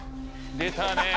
出たねぇ。